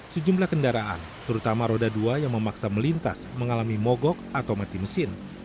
sejumlah kendaraan terutama roda dua yang memaksa melintas mengalami mogok atau mati mesin